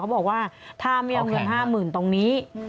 บอกว่าถ้าไม่เอาเงิน๕๐๐๐ตรงนี้